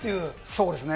そうですね。